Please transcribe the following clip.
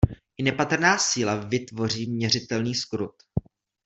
I nepatrná síla vytvoří měřitelný zkrut.